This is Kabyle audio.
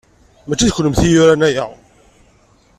Mačči d kennemti i yuran aya?